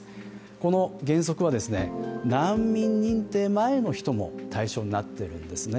この原則は、難民認定前の人も対象になっているんですね。